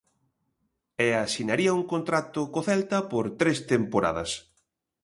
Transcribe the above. E asinaría un contrato co Celta por tres temporadas.